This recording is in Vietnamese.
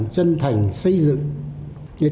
trân thành là một quốc hội trí tuệ và trân thành